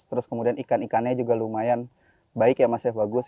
terus kemudian ikan ikannya juga lumayan baik ya mas ya bagus